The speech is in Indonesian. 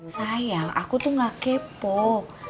sayang aku tuh gak kepok